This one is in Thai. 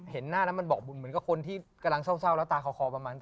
เห็นหน้าแล้วมันบอกบุญเหมือนกับคนที่กำลังเศร้าแล้วตาคอประมาณ